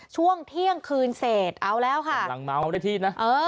ช่วงเที่ยงคืนเศษเอาแล้วค่ะกำลังเมาได้ที่นะเออ